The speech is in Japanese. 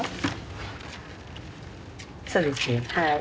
そうですねはい。